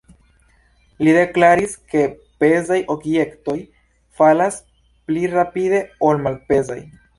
Li deklaris, ke pezaj objektoj falas pli rapide ol malpezaj.